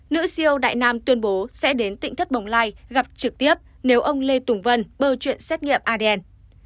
nữ siêu đại nam tuyên bố sẽ đến tịnh thất bồng lai gặp trực tiếp nếu ông lê tùng vân bơ chuyện xét nghiệm adn